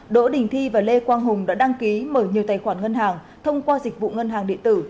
đỗ đình thi và lê quang hùng đã đăng ký mở nhiều tài khoản ngân hàng thông qua dịch vụ ngân hàng điện tử